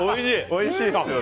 おいしい。